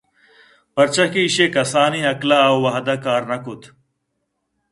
پرچا کہ ایشی ءِ کسانیں عقل ءَ آوہد ءَ کار نہ کُت